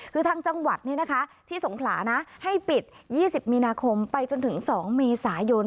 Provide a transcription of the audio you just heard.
คือทางจังหวัดนี่นะคะที่สงขลานะให้ปิดยี่สิบมีนาคมไปจนถึงสองเมษายน